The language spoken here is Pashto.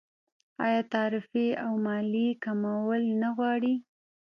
آیا تعرفې او مالیې کمول نه غواړي؟